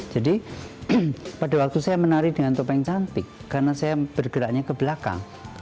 jadi pada waktu saya menari dengan topeng cantik karena saya bergeraknya ke belakang